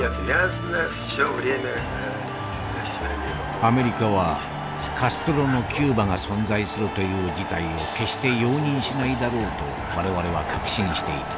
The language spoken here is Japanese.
「アメリカはカストロのキューバが存在するという事態を決して容認しないだろうと我々は確信していた。